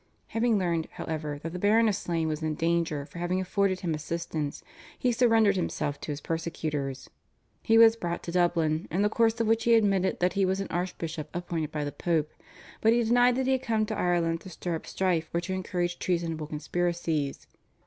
Having learned, however, that the Baron of Slane was in danger for having afforded him assistance he surrendered himself to his persecutors. He was brought to Dublin, in the course of which he admitted that he was an archbishop appointed by the Pope, but he denied that he had come to Ireland to stir up strife or to encourage treasonable conspiracies.